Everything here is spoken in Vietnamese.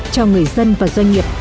cho người dân và doanh nghiệp